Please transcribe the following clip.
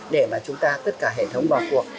để mà chúng ta tất cả hệ thống vào cuộc